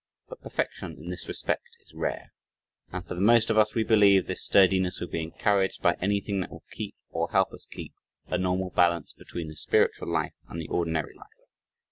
But perfection in this respect is rare. And for the most of us, we believe, this sturdiness would be encouraged by anything that will keep or help us keep a normal balance between the spiritual life and the ordinary life.